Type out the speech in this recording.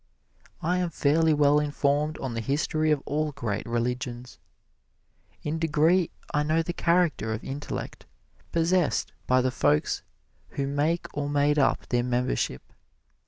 I am fairly well informed on the history of all great religions. In degree I know the character of intellect possessed by the folks who make or made up their membership.